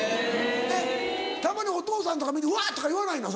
たまにお父さんとか見てうわ！とか言わないの？